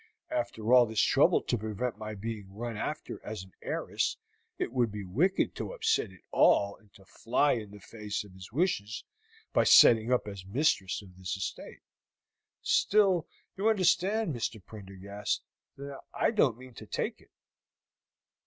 "After all this trouble to prevent my being run after as an heiress, it would be wicked to upset it all and to fly in the face of his wishes by setting up as mistress of this estate. Still you understand, Mr. Prendergast, that I don't mean to take it."